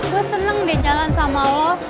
gue seneng deh jalan sama lo